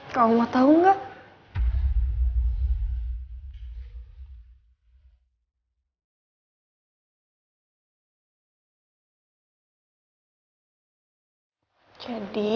aku punya kejutan buat kamu